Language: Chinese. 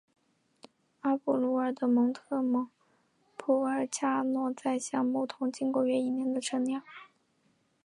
阿布鲁佐的蒙特普尔恰诺在橡木桶经过约一年的陈酿。